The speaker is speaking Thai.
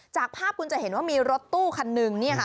จากภาพคุณจะเห็นว่ามีรถตู้คันหนึ่ง